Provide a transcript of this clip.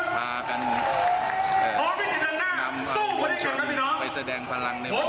พากันเอ่อนำวันนี้ผมจะไปแสดงพลังในประวัติศาสตร์